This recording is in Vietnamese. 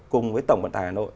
cùng với tổng bản tài hà nội